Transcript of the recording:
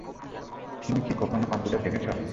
তুমি কি কখনো কম্পিউটার দেখেছ?